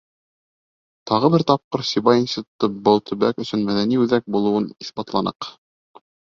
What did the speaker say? Тағы бер тапҡыр Сибай институты был төбәк өсөн мәҙәни үҙәк булыуын иҫбатланыҡ.